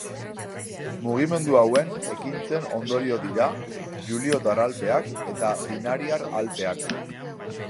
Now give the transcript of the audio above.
Mugimendu hauen ekintzen ondorio dira Juliotar Alpeak eta Dinariar Alpeak.